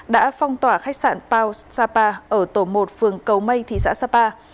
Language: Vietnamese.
đã phong tỏa khách sạn pao sapa ở tổ một phường cầu mây thị xã sapa